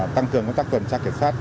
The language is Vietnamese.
tăng cường các tuần tra kiểm soát